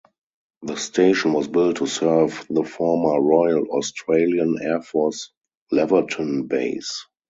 The station was built to serve the former Royal Australian Air Force Laverton base.